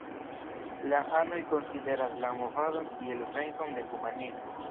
La anoj konsideras la movadon kiel venkon de humanismo.